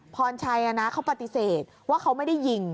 พรชัยเขาปฏิเสธว่าเขาไม่ได้ยิง